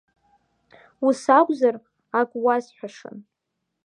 Ус акәзар, ак уасҳәашан.